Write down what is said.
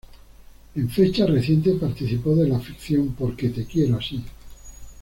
En fecha reciente participó de la ficción "Porque te quiero así".